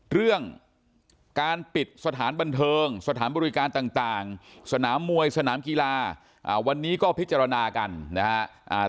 เรื่องการปิดสถานบันเทิงสถานบริการต่างสนามมวยสนามกีฬาวันนี้ก็พิจารณากันนะครับ